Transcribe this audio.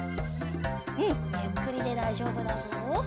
うんゆっくりでだいじょうぶだぞ。